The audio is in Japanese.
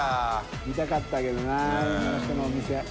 見たかったけどなあの人のお店。